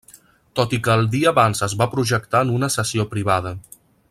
Tot i que el dia abans es va projectar en una sessió privada.